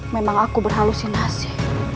memang aku berhalusinasi